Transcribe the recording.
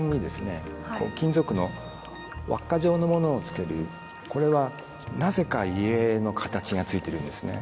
金属の輪っか状のものをつけるこれはなぜか家の形がついているんですね。